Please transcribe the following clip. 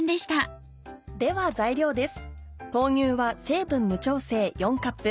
では材料です。